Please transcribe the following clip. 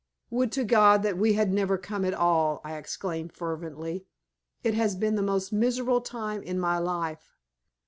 "Would to God that we had never come at all!" I exclaimed, fervently. "It has been the most miserable time in my life."